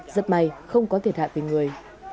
rất may không có thiệt hại vì người